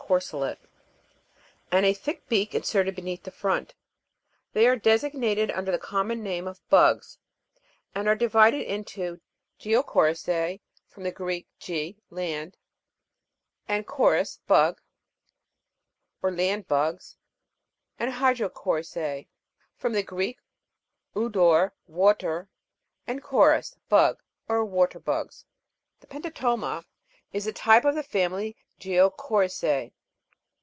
corselet, and a thick beak inserted beneath the front. They are designated under the common name of bugs, and are divided into GEO'CORIS^E (from the Greek, ge, land, and koris, bug) or land bugs, and HYDRO'CORISJE (from the Greek, Wor, water, and is, bug) or water bugs. The Pentato'ma (fig. 36) is the type of the family of Geo'corisce.